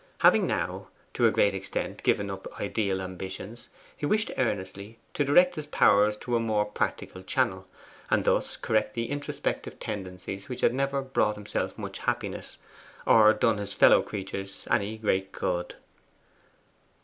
Having now, to a great extent, given up ideal ambitions, he wished earnestly to direct his powers into a more practical channel, and thus correct the introspective tendencies which had never brought himself much happiness, or done his fellow creatures any great good.